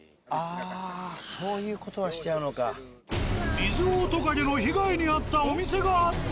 ミズオオトカゲの被害に遭ったお店があった。